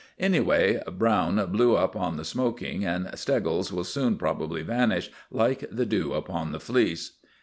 Anyway, Browne blew up on the smoking, and Steggles will soon probably vanish, like the dew upon the fleece.